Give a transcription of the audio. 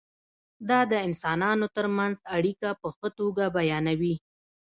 دا د انسانانو ترمنځ اړیکه په ښه توګه بیانوي.